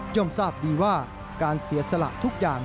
ทราบดีว่าการเสียสละทุกอย่าง